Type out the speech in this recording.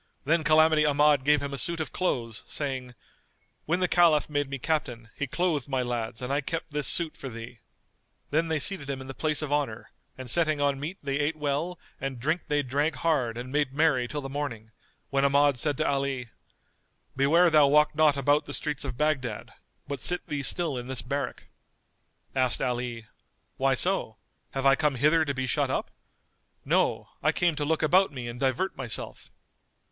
Then Calamity Ahmad gave him a suit of clothes, saying, "When the Caliph made me captain, he clothed my lads and I kept this suit[FN#225] for thee." Then they seated him in the place of honour and setting on meat they ate well and drink they drank hard and made merry till the morning, when Ahmad said to Ali, "Beware thou walk not about the streets of Baghdad, but sit thee still in this barrack." Asked Ali, "Why so? Have I come hither to be shut up? No, I came to look about me and divert myself."